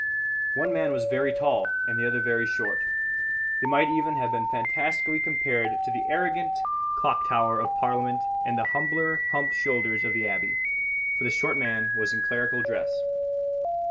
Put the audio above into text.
One man was very tall and the other very short; they might even have been fantastically compared to the arrogant clock tower of Parliament and the humbler humped shoulders of the Abbey, for the short man was in clerical dress.